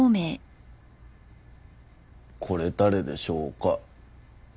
これ誰でしょうか？